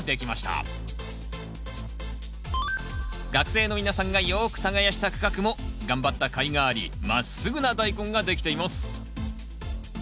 学生の皆さんがよく耕した区画も頑張ったかいがありまっすぐなダイコンができています。